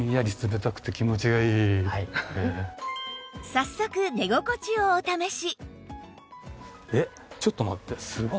早速寝心地をお試し